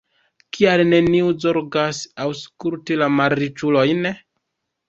Kial neniu zorgas aŭskulti la malriĉulojn?